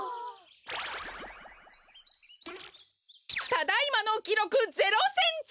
ただいまのきろく０センチ！